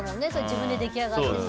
自分で出来上がってさ。